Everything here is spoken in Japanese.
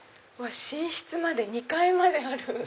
寝室まで２階まである！